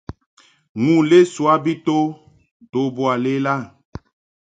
Nu lesoa mbi to nto boa lela.